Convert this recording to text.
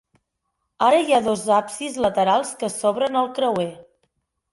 Ara hi ha dos absis laterals, que s'obren al creuer.